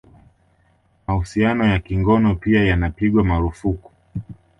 Mahusiano ya kingono pia yanapigwa marufuku